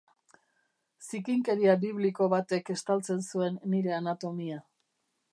Zikinkeria bibliko batek estaltzen zuen nire anatomia.